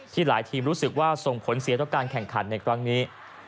หลายทีมรู้สึกว่าส่งผลเสียต่อการแข่งขันในครั้งนี้